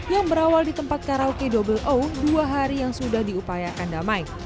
yang berawal di tempat karaoke double o dua hari yang sudah diupayakan damai